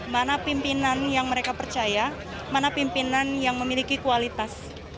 mana pimpinan yang mereka percaya mana pimpinan yang memiliki kualitas